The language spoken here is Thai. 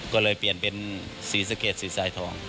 ก็เลยเปลี่ยนเป็นศรีสะเกดสีสายทอง